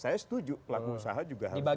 saya setuju pelaku usaha juga harus